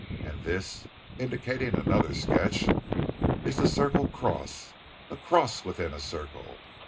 And this " indicating another sketch, " is the Circle Cross a cross within a circle.